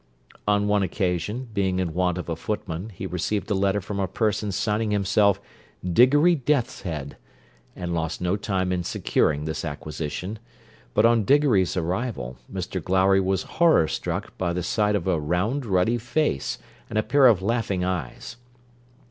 On one occasion, being in want of a footman, he received a letter from a person signing himself Diggory Deathshead, and lost no time in securing this acquisition; but on Diggory's arrival, Mr Glowry was horror struck by the sight of a round ruddy face, and a pair of laughing eyes.